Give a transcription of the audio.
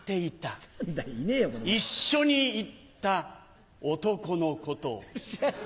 一緒に行った男のことを。